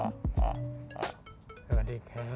สวัสดีครับ